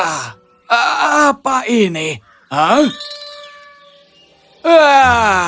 hah apa ini hah